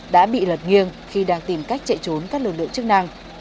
đã bị lật nghiêng khi đang tìm cách chạy trốn các lực lượng chức năng